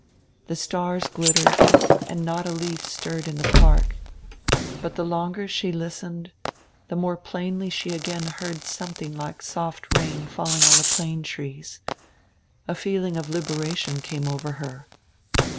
The stars glittered and not a leaf stirred in die park. But die longer she listened die more plainly she again heard something like soft rain falling on the plane trees. A feeling of liberation came over her.